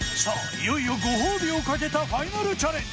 いよいよご褒美をかけたファイナルチャレンジ